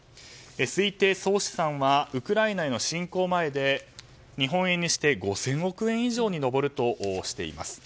推定総資産はウクライナへの侵攻前で日本円にして５０００億円以上に上るとしています。